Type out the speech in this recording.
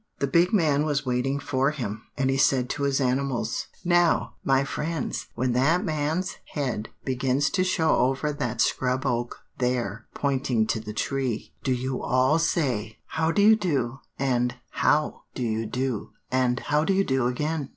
"The big man was waiting for him; and he said to his animals, 'Now, my friends, when that man's head begins to show over that scrub oak there,' pointing to the tree, 'do you all say, "How do you do, and how do you do, and how do you do again."